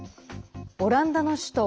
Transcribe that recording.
オランダの首都